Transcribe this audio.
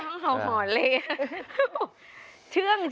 จะเค็มมันใช่ไหม